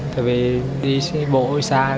tại vì đi bộ xa